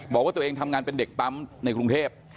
บอกว่าตัวเองทำงานเป็นเด็กปั๊มในกรุงเทพ